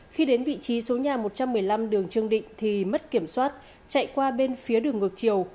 khi đến vị trí số nhà một trăm một mươi năm đường trương định thì mất kiểm soát chạy qua bên phía đường ngược chiều